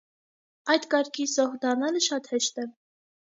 Այդ կարգի զոհ դառնալը շատ հեշտ է։